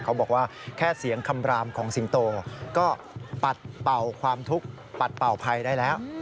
เขาบอกว่าแค่เสียงคำรามของสิงโตก็ปัดเป่าความทุกข์ปัดเป่าภัยได้แล้ว